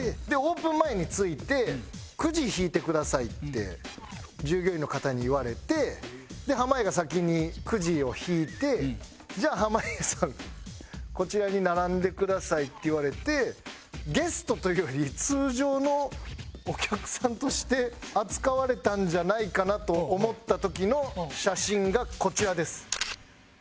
オープン前に着いて「くじ引いてください」って従業員の方に言われて濱家が先にくじを引いて「じゃあ濱家さんこちらに並んでください」って言われてゲストというより通常のお客さんとして扱われたんじゃないかなと思った時の写真がこちらです。